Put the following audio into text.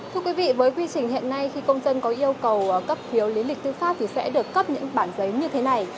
thưa quý vị với quy trình hiện nay khi công dân có yêu cầu cấp phiếu lý lịch tư pháp thì sẽ được cấp những bản giấy như thế này